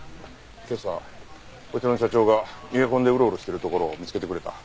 今朝こちらの所長が逃げ込んでウロウロしているところを見つけてくれた。